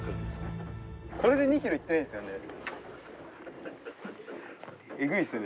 これで２キロいってないんすよね。